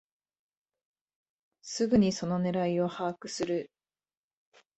すぐにその狙いを把握する